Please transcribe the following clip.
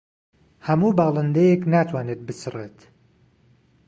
هەموو باڵندەیەک ناتوانێت بچڕێت.